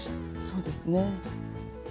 そうですね。